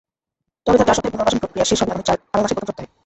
তবে তাঁর চার সপ্তাহের পুনর্বাসন প্রক্রিয়া শেষ হবে আগামী মাসের প্রথম সপ্তাহে।